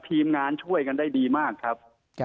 ทีมงานช่วยกันได้ดีมากครับ